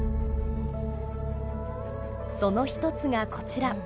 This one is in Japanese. その一つがこちら。